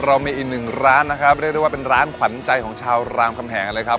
เรามีอีกหนึ่งร้านนะครับเรียกได้ว่าเป็นร้านขวัญใจของชาวรามคำแหงกันเลยครับ